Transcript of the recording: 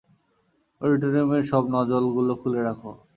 অডিটোরিয়ামের সব নজল গুলো খুলে রাখো।